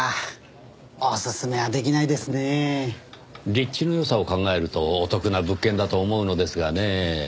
立地の良さを考えるとお得な物件だと思うのですがねぇ。